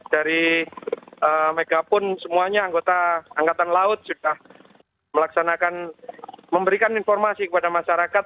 dari bajet dari megapun semuanya anggota angkatan laut sudah melaksanakan memberikan informasi kepada masyarakat